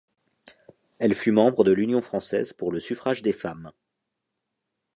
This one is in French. Elle fut membre de l’Union française pour le suffrage des femmes.